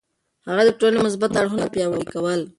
هغه د ټولنې مثبت اړخونه پياوړي کول.